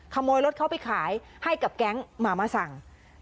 ขโมยรถเขาไปขายให้กับแก๊งหมามาสั่ง